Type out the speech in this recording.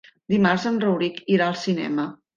Dimarts en Rauric irà al cinema.